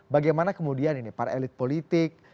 bagaimana kemudian ini para elit politik